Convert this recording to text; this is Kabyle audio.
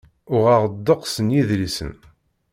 Uɣeɣ-d ddeqs n yidlisen.